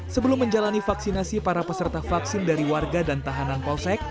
sebelum menjalani vaksinasi para peserta vaksin dari warga dan tahanan polsek